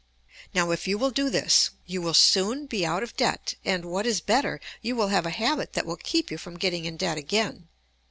Now, if you will do this you will soon be out of debt, and, what is better, you will have a habit that will keep you from getting in debt again.